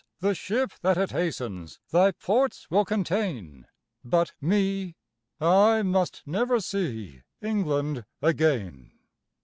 The ship that it hastens Thy ports will contain, But me! I must never See England again!